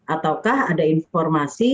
ataukah ada informasi